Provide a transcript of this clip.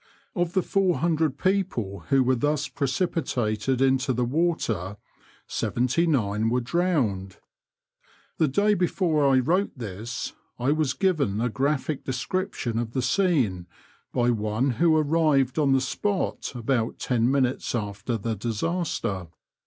Of the four hundred people who were thus pre cipitated into the water, seventy nine were drowned. The day before I wrote this I was given a graphic description of the scene by one who arrived on the spot about ten minutes after the disaster.